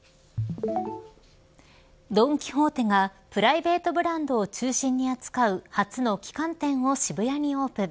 ドン・キホーテがプライベートブランドを中心に扱う初の旗艦店を渋谷にオープン。